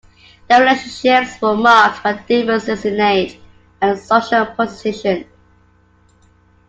The relationships were marked by differences in age and social position.